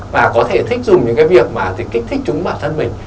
và có thể thích dùng những cái việc mà để kích thích chúng bản thân mình